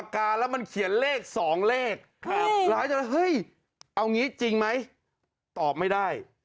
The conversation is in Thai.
แล้วรายจริงแล้วเอาอย่างนี้จริงไหมตอบไม่ได้